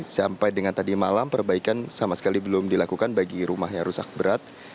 sampai dengan tadi malam perbaikan sama sekali belum dilakukan bagi rumah yang rusak berat